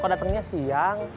kok datengnya siang